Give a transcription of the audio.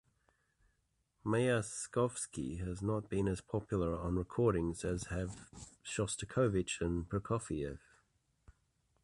Myaskovsky has not been as popular on recordings as have Shostakovich and Prokofiev.